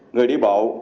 người đi bộ